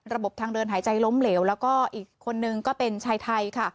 ทางเดินหายใจล้มเหลวแล้วก็อีกคนนึงก็เป็นชายไทยค่ะ